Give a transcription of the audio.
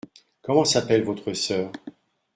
Comment s’appelle votre sœur ?